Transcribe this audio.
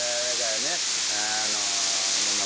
あのまあ